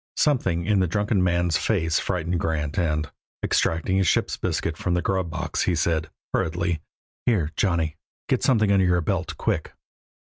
Something in the drunken man's face frightened Grant and, extracting a ship's biscuit from the grub box, he said, hurriedly: "Here, Johnny. Get something under your belt, quick."